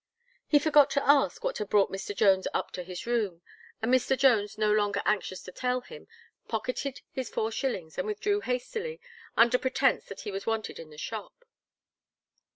He forgot to ask what had brought Mr. Jones up to his room, and Mr. Jones no longer anxious to tell him, pocketed his four shillings and withdrew hastily, under pretence that he was wanted in the shop.